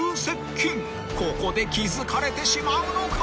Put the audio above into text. ［ここで気付かれてしまうのか］